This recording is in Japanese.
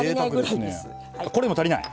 これでも足りない？